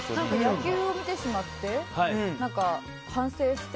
野球を見てしまってなんか反省して。